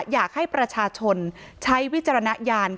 อยากให้ประชาชนใช้วิจารณญาณ